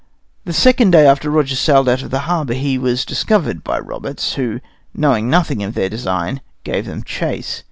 The second day after Rogers sailed out of the harbor he was discovered by Roberts, who, knowing nothing of their design, gave them chase.